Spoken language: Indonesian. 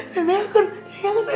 nenek akan berubah